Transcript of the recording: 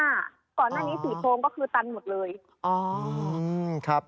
แล้วหน้านี้๔โพงก็คือตันหมดเลย